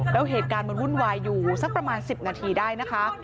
แล้วเหตุการณ์มันวุ่นวายอยู่สักประมาณ๑๐นาทีได้นะคะ